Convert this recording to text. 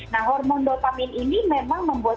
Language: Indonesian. nah hormon dotamin ini memang membuat